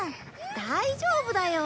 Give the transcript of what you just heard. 大丈夫だよ。